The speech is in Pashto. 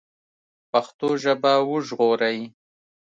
پښتو ژبه وژغورئ